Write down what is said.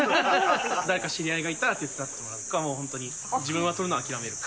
誰か知り合いがいたら手伝ってもらうとか、本当に、自分は撮るの諦めるか。